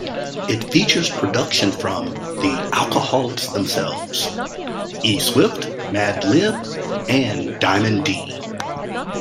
It features production from Tha Alkoholiks themselves, E-Swift, Madlib and Diamond D.